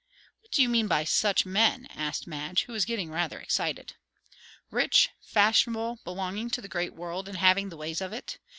"What do you mean by 'such men'?" asked Madge, who was getting rather excited. "Rich fashionable belonging to the great world, and having the ways of it.